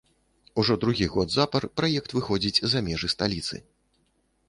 Ужо другі год запар праект выходзіць за межы сталіцы.